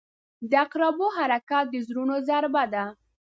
• د عقربو حرکت د زړونو ضربه ده.